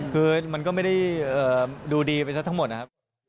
คือมันก็ไม่ได้ดูดีไปซะทั้งหมดนะครับ